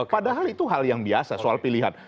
padahal itu hal yang biasa soal pilihan